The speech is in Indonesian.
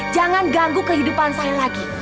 jangan ganggu kehidupan saya lagi